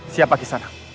siapa kisah anak